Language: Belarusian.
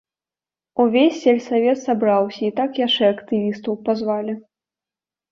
Увесь сельсавет сабраўся, і так яшчэ актывістаў пазвалі.